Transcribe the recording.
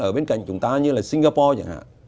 ở bên cạnh chúng ta như là singapore chẳng hạn